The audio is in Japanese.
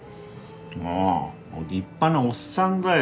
うんもう立派なおっさんだよ。